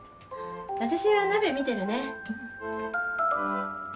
私は鍋見てるね。